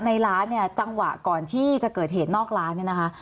ในร้านเนี่ยจังหวะก่อนที่จะเกิดเหตุนอกร้านเนี่ยนะคะ